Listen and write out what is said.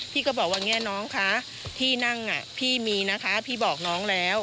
พี่ก็บอกว่าแง่น้องคะที่นั่งพี่มีนะคะพี่บอกน้องแล้ว